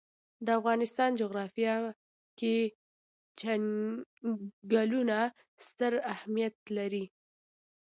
د افغانستان جغرافیه کې چنګلونه ستر اهمیت لري.